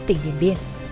tỉnh điển biên